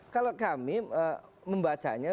kalau kami membacanya